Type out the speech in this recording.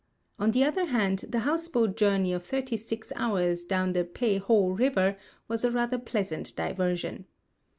On the other hand the house boat journey of thirty six hours down the Pei ho river was a rather pleasant diversion.